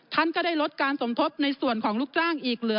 ท่านก็ได้ลดการสมทบในส่วนของลูกจ้างอีกเหลือ